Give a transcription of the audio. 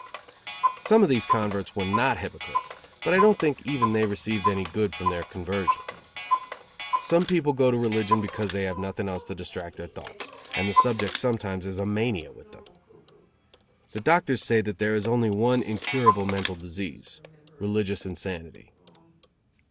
Some of these converts were not hypocrites, but I don't think even they received any good from their conversion. Some people go to religion because they have nothing else to distract their thoughts, and the subject sometimes is a mania with them. The doctors say that there is only one incurable mental disease religious insanity.